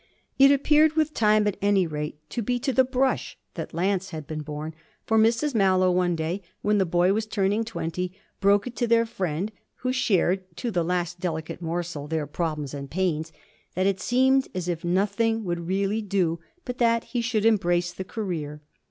It appeared with time at any rate to be to the brush that Lance had been born; for Mrs Mallow, one day when the boy was turning twenty, broke it to their friend, who shared, to the last delicate morsel, their problems and pains, that it seemed as if nothing would really do but that he should embrace the career.